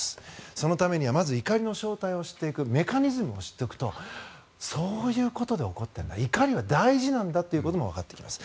そのためにはまず怒りの正体を知っておくメカニズムを知っておくとそういうことで怒っているんだ怒りは大事なんだっていうこともわかってきます。